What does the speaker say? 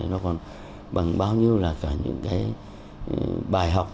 nó còn bằng bao nhiêu là cả những cái bài học